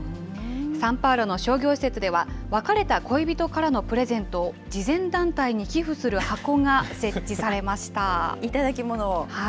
サンパウロの商業施設では、別れた恋人からのプレゼントを慈善団体に寄付する箱が設置されま頂きものを。